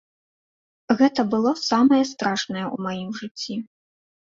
Гэта было самае страшнае ў маім жыцці.